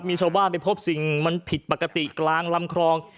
มีชาวบ้านไปพบสิ่งมันผิดปกติกลางลำคลอง